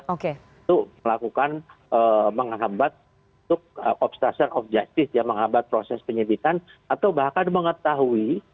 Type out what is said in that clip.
itu melakukan menghambat obstruksor objektif ya menghambat proses penyelidikan atau bahkan mengetahui